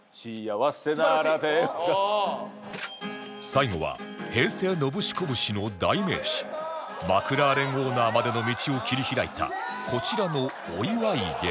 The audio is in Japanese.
最後は平成ノブシコブシの代名詞マクラーレンオーナーまでの道を切り開いたこちらのお祝い芸